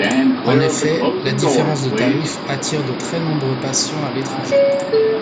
En effet, la différence de tarif attire de très nombreux patients à l'étranger.